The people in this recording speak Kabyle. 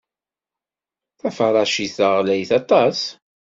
Taferracit-a ɣlayet aṭas.